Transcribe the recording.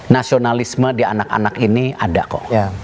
nasionalisme di anak anak ini ada kok